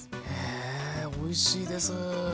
へえおいしいです。